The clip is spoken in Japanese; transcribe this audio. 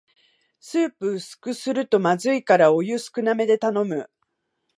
スープ薄くするとまずいからお湯少なめで頼む